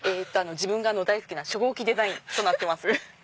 自分が大好きな初号機デザインとなってます。